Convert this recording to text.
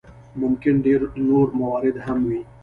ممکن ډېر نور موارد هم وي.